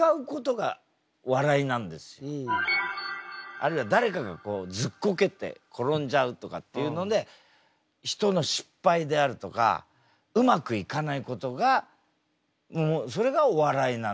あるいは誰かがずっこけて転んじゃうとかっていうので人の失敗であるとかうまくいかないことがもうそれがお笑いなんです。